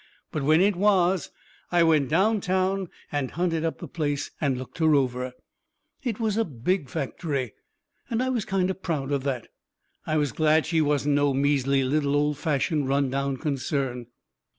But when it was, I went down town and hunted up the place and looked her over. It was a big factory, and I was kind of proud of that. I was glad she wasn't no measly, little, old fashioned, run down concern.